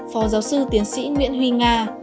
phó giáo sư tiến sĩ nguyễn huy nga